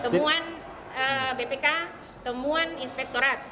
temuan bpk temuan inspektorat